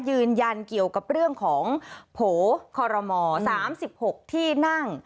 ยืนยันเกี่ยวกับเรื่องของโผล่คอรมอ๓๖ที่นั่ง